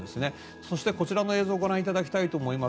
そして、こちらの映像をご覧いただきたいと思います。